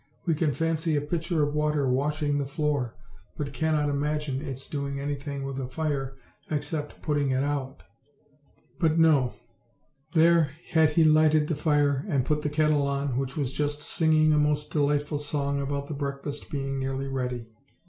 We can fancy a pitcher of water washing the floor, but cannot imagine its doing anything with a fir except putting it put. But S3 OLD, OLD FAIRY TALES. no! there had he lighted the fire and put the kettle on, which was just singing a most delightful song about the breakfast being nearly ready.